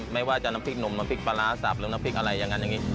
ไม่ว่าจะน้ำพริกหนุ่มน้ำพริกปลาร้าสับหรือน้ำพริกอะไรอย่างนั้นอย่างนี้